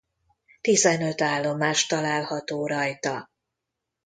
Tizenöt állomás található rajta.